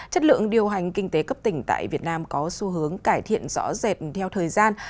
chất lượng điều hành kinh tế cấp tỉnh tại việt nam có xu hướng cải thiện rõ rệt theo thời gian